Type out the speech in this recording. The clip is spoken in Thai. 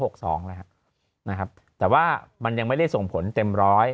นะครับนะครับแต่ว่ามันยังไม่ได้ส่งผลเต็มร้อย